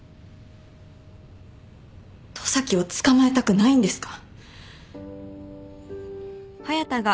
十崎を捕まえたくないんですか？